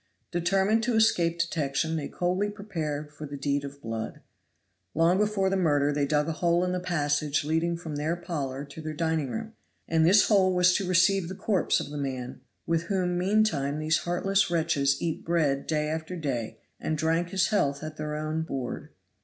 Determined to escape detection, they coldly prepared for the deed of blood. Long before the murder they dug a hole in the passage leading from their parlor to their dining room, and this hole was to receive the corpse of the man with whom meantime these heartless wretches eat bread day after day and drank his health at their own board.